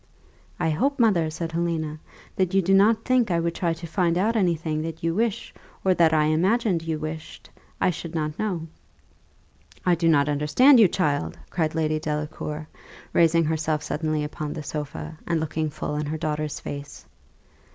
"I hope, mother," said Helena, "that you do not think I would try to find out any thing that you wish, or that I imagined you wished, I should not know." "I do not understand you, child," cried Lady Delacour, raising herself suddenly upon the sofa, and looking full in her daughter's face.